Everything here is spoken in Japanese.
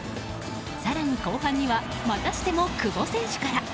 更に後半にはまたしても久保選手から。